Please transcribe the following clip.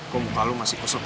kok muka lo masih kosong aja